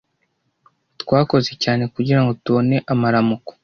Twakoze cyane kugirango tubone amaramuko.